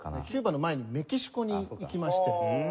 キューバの前にメキシコに行きまして。